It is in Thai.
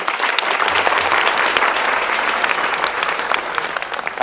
ขอบคุณครับ